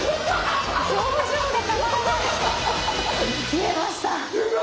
消えました！